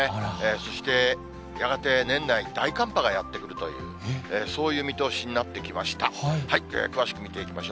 そしてやがて年内、大寒波がやって来るという、そういう見通しになってきました。